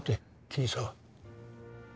桐沢。